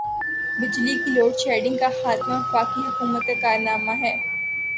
بجلی کی load shedding کا خاتمہ وفاقی حکومت کا کارنامہ ہے۔